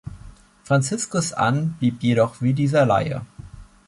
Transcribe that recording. Franziskus an, blieb jedoch wie dieser Laie.